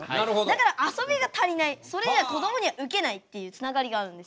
だらかあそびが足りないそれじゃこどもにはウケないっていうつながりがあるんですよ。